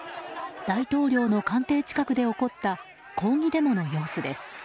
大統領の官邸近くで起こった抗議デモの様子です。